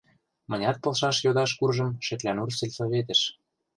Мынят полшаш йодаш куржым Шеклянур сельсоветыш.